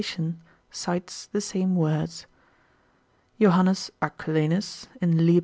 cites the same words. Jo. Arculanus, in lib.